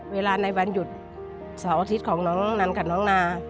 ในวันหยุดเสาร์อาทิตย์ของน้องนันกับน้องนา